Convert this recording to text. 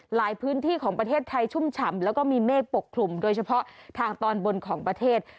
หลายพื้นที่ของประเทศไทยชุ่มฉ่ำแล้วก็มีเมฆปกคลุมโดยเฉพาะทางตอนบนของประเทศ